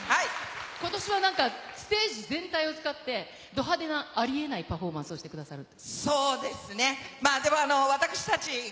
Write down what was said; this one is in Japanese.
ことしはステージ全体を使って、ド派手なありえないメンバーでパフォーマンスをしてくださると。